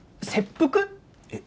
⁉えっ？